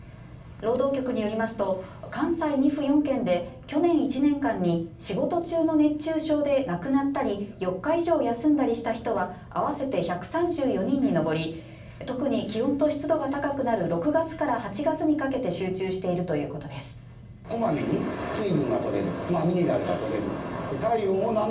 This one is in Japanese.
労働局によりますと関西２府４県で去年１年間に仕事中の熱中症で亡くなったり４日以上休んだりした人は合わせて１３４人に上り特に気温と湿度が高くなる６月から８月にかけて集中しているということです。